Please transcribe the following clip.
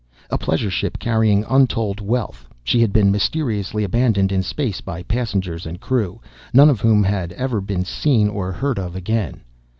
A pleasure ship carrying untold wealth, she had been mysteriously abandoned in space by passengers and crew, none of whom had ever been seen or heard of again.